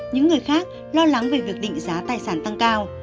những người khác lo lắng về việc định giá tài sản tăng cao